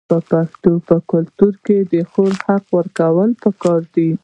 د پښتنو په کلتور کې د خور حق ورکول پکار دي.